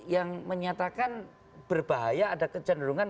yang menyatakan berbahaya ada kecenderungan